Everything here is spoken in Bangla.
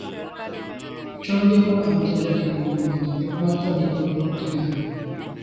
চণ্ডীগড় আন্তর্জাতিক বিমানবন্দর একমাত্র নিকটবর্তী এয়ারপোর্ট।